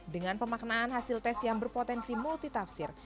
dengan pemaknaan hasil tes yang berpotensi multitafsir